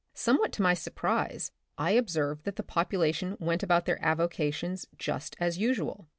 Some what to my surprise I observed that the popula tion went about their avocations just as usual.